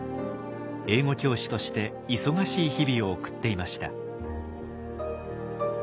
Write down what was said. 英語教師として忙しい日々を送っていました。